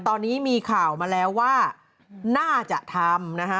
ตอนนี้มีข่าวมาแล้วว่าน่าจะทำนะฮะ